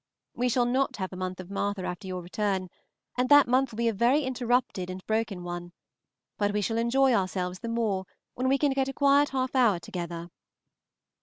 We shall not have a month of Martha after your return, and that month will be a very interrupted and broken one, but we shall enjoy ourselves the more when we can get a quiet half hour together.